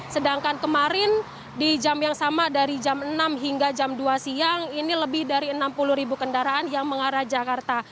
sedangkan kemarin di jam yang sama dari jam enam hingga jam dua siang ini lebih dari enam puluh ribu kendaraan yang mengarah jakarta